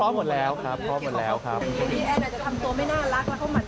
พร้อมหมดแล้วครับพร้อมหมดแล้วครับ